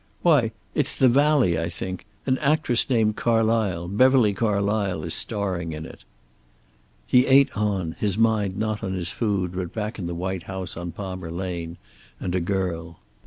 Why, it's 'The Valley,' I think. An actress named Carlysle, Beverly Carlysle, is starring in it." He ate on, his mind not on his food, but back in the white house on Palmer Lane, and a girl.